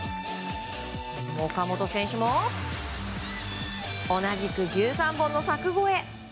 岡本選手も同じく１３本の柵越え。